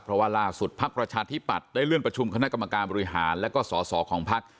เพราะว่าล่าสุดภักดิ์ประชาธิปัตย์ได้เลื่อนประชุมคณะกรรมการบริหารและก็สอสอของพัก